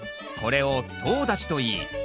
これをとう立ちといい